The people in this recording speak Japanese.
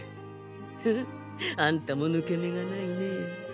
フフッあんたもぬけ目がないねえ。